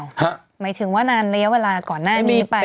หมายถึงว่านานระยะเวลาก่อนหน้านี้ไป